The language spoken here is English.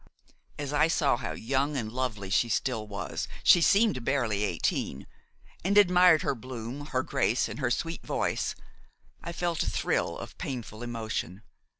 As I saw how young and lovely she still was–she seemed barely eighteen–and admired her bloom, her grace, and her sweet voice, I felt a thrill of painful emotion.